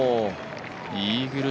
イーグル